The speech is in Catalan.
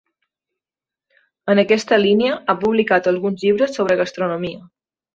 En aquesta línia ha publicat alguns llibres sobre gastronomia.